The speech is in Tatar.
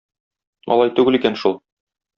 Алай түгел икән шул.